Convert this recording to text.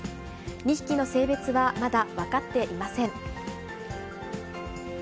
２匹の性別はまだ分かっていません。